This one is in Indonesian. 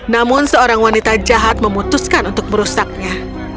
namun seorang wanita jahat memutuskan untuk merusaknya